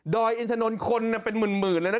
อินทนนท์คนเป็นหมื่นเลยนะ